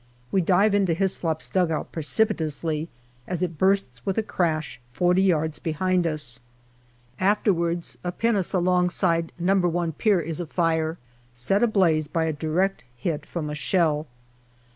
We dive into Hyslop's dugout 314 GALLIPOLI DIARY precipitously as it bursts with a crash forty yards behind us. Afterwards a pinnace alongside No. i Pier is afire, set ablaze by a direct hit from a shell.